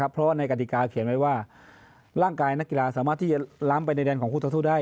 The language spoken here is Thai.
เพราะว่าในกฎิกาเขียนไว้ว่าร่างกายนักกีฬาสามารถที่จะล้ำไปในแดนของคู่ต่อสู้ได้